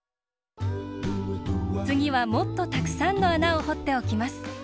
つぎはもっとたくさんのあなをほっておきます！